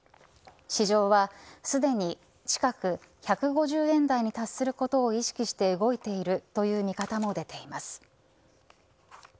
市場はすでに近く１５０円台に達することを意識して動いているという見方も出ています。